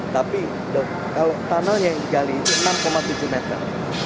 tapi kalau tunnel yang digali itu enam tujuh meter